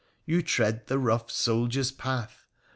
You tread the rough soldier's path